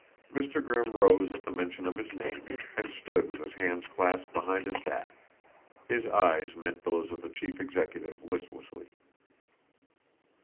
Mr. Grimm rose at the mention of his name and stood with his hands clasped behind his back. His eyes met those of the chief executive listlessly.